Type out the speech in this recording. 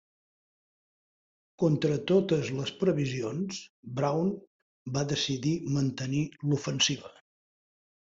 Contra totes les previsions, Brown va decidir mantenir l'ofensiva.